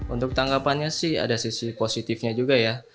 untuk tanggapannya sih ada sisi positifnya juga ya